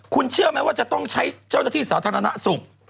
คุณเชื่อไหมว่าจะต้องใช้เจ้าหน้าที่สาธารณสุข